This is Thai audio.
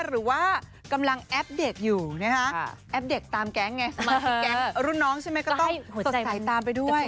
หรือว่ากำลังอัปเดตอยู่นะฮะแอปเด็กตามแก๊งไงสมาชิกแก๊งรุ่นน้องใช่ไหมก็ต้องสดใสตามไปด้วย